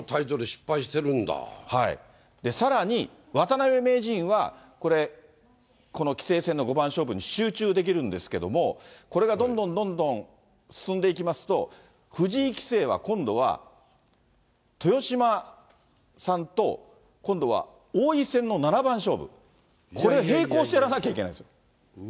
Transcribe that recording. さらに渡辺名人はこれ、この棋聖戦の五番勝負に集中できるんですけれども、これがどんどんどんどん進んでいきますと、藤井棋聖は今度は豊島さんと、今度は王位戦の七番勝負、これを並行してやらなきゃいけないんですよ。